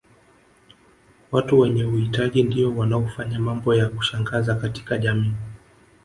Watu wenye uhitaji ndio wanaofanya mambo ya kushangaza katika jamii